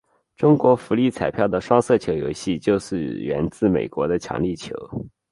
中国福利彩票的双色球游戏就是源自美国的强力球。